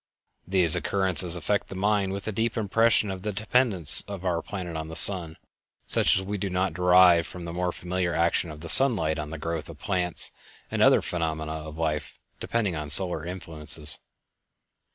These occurrences affect the mind with a deep impression of the dependence of our planet on the sun, such as we do not derive from the more familiar action of the sunlight on the growth of plants and other phenomena of life depending on solar influences.